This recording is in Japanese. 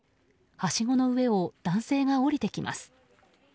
はしごの上を男性が下りてきます。